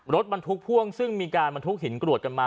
รถบรรทุกพ่วงซึ่งมีการบรรทุกหินกรวดกันมา